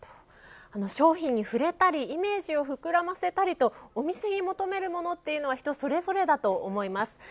商品に触れたりイメージを膨らませたりとお店に求めるものというのは人それぞれだと思います。